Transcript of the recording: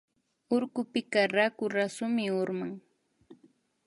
Urkupika raku rasumi urman